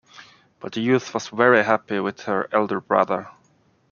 But the youth was very happy with her elder brother.